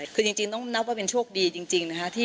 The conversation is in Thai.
คือจริงต้องนับว่าเป็นโชคดีจริงนะคะ